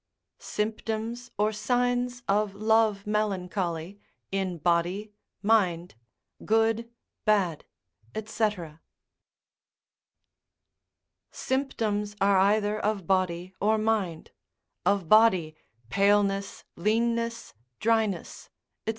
Symptoms or signs of Love Melancholy, in Body, Mind, good, bad, &c. Symptoms are either of body or mind; of body, paleness, leanness, dryness, &c.